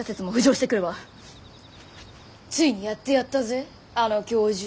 「ついにやってやったぜあの教授」。